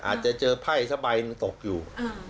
อาจจะเจอไพ่สบายตกอยู่